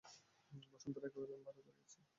বসন্ত রায় কহিলেন, ভালো করিয়াছ।